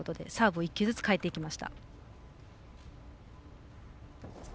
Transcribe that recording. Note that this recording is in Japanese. サーブを１球ずつ変えていきました。